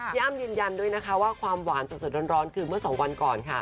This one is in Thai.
อ้ำยืนยันด้วยนะคะว่าความหวานสดร้อนคือเมื่อ๒วันก่อนค่ะ